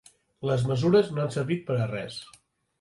Les mesures no han servit per a res.